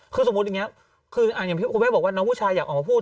คือสมมุติอย่างนี้คุณแพ้บอกว่าน้องผู้ชายอยากออกมาพูด